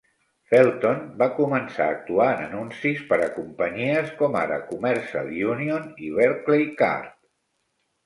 Felton va començar a actuar en anuncis per a companyies com ara Commercial Union i Barclaycard.